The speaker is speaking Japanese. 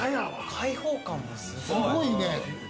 開放感がすごい！